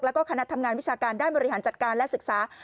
แล้วก็คณะทำงานวิชาการด้านบริหารจัดการและศึกษา